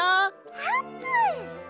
あーぷん！